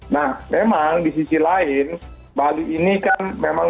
nah memang di sisi lain bali ini kan memang mempunyai